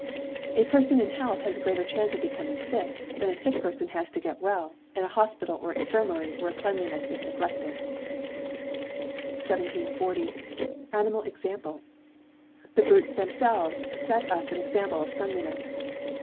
A person in health has a greater chance to become sick, than a sick person has to get well, in an hospital or infirmary where cleanliness is neglected. 1740. Animal Example. The brutes themselves set us an example of cleanliness.